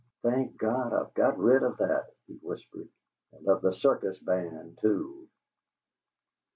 "Thank God, I've got rid of that!" he whispered. "And of the circus band too!"